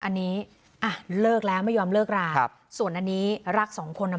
อันนี้อ่ะเลิกแล้วไม่ยอมเลิกราครับส่วนอันนี้รักสองคนอ่ะ